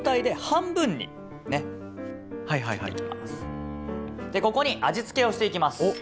でここに味付けをしていきます。